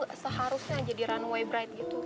gak seharusnya jadi runway bride gitu